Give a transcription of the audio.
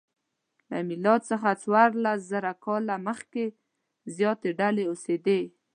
له میلاد څخه څوارلسزره کاله مخکې زیاتې ډلې اوسېدې.